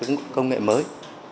những cái công nghệ mới